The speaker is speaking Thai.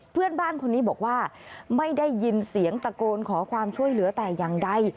เพื่อนบ้านคนนี้บอกว่าไม่ได้ยินเสียงตะโกนขอความช่วยเหลือแต่อย่างใด